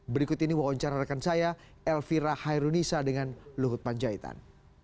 berikut ini wawancara rekan saya elvira hairunisa dengan luhut panjaitan